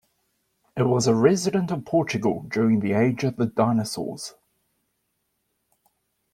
It was a resident of Portugal during the age of the dinosaurs.